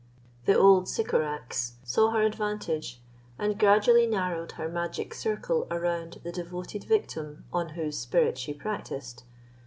The old Sycorax saw her advantage, and gradually narrowed her magic circle around the devoted victim on whose spirit she practised.